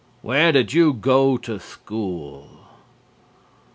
"Where did you go to school?"